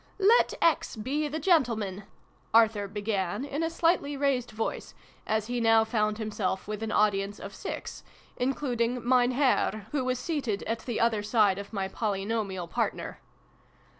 " Let X be the gentleman," Arthur began, in a slightly raised voice, as he now found himself with an audience of six, including ' Mein Herr,' who was seated at the other side of my poly nomial partner.